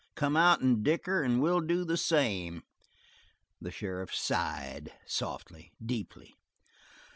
Come out and dicker and we'll do the same!" The sheriff sighed, softly, deeply.